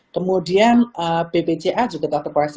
kemudian bpca juga telah terkoreksi